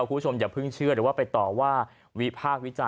คุณผู้ชมอย่าเพิ่งเชื่อหรือว่าไปต่อว่าวิพากษ์วิจารณ